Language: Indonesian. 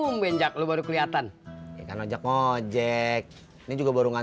ma belum pulang